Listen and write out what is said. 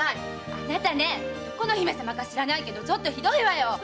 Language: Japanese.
あなたどこの姫様か知らないけどひどいわよ！